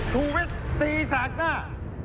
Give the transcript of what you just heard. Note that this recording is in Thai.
ชุวิตตีสากหน้า